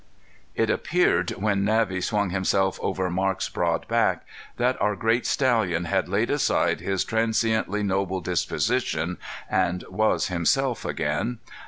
It appeared when Navvy swung himself over Marc's broad back, that our great stallion had laid aside his transiently noble disposition and was himself again.